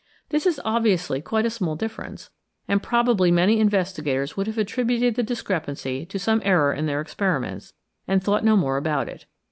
This is obviously quite a small difference, and probably many investigators would have attributed the discrepancy to some error in their experiments, and thought no more about it.